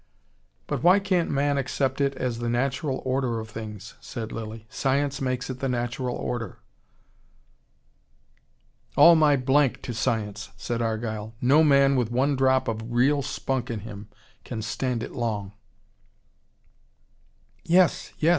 "But why can't man accept it as the natural order of things?" said Lilly. "Science makes it the natural order." "All my to science," said Argyle. "No man with one drop of real spunk in him can stand it long." "Yes! Yes!